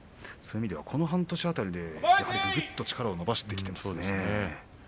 この半年辺りでぐんと力を伸ばしてきていますね。